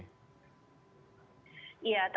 ya tentunya dengan pemerintah